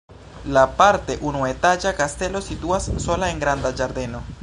La parte unuetaĝa kastelo situas sola en granda ĝardeno.